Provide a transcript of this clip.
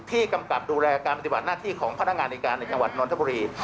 กำกับดูแลการปฏิบัติหน้าที่ของพนักงานในการในจังหวัดนทบุรี